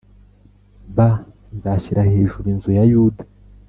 b Nzashyira hejuru inzu ya Yuda